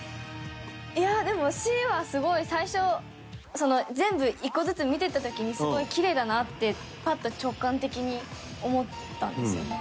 いやでもＣはすごい最初全部１個ずつ見ていった時にすごいキレイだなってパッと直感的に思ったんですよね。